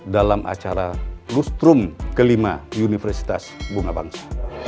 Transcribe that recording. dalam acara lustrum kelima universitas bumabangsa